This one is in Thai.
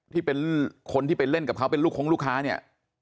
ที่เป็นคนที่ไปเล่นกับเขาเป็นลูกคงลูกค้าเนี่ย